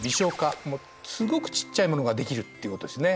すごくちっちゃいものができるっていうことですね。